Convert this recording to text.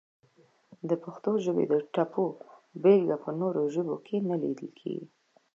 د پښتو ژبې د ټپو بېلګه په نورو ژبو کې نه لیدل کیږي!